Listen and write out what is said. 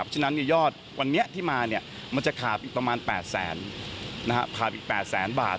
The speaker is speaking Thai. เพราะฉะนั้นยอดวันนี้ที่มามันจะขาบอีกประมาณ๘๐๐๐๐๐บาท